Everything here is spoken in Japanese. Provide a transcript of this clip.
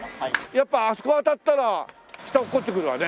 やっぱあそこ当たったら下落っこちてくるわね。